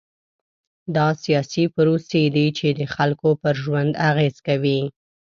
دا سیاسي پروسې دي چې د خلکو پر ژوند اغېز کوي.